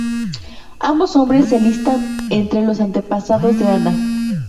Ambos hombres se listan entre los antepasados de Ana.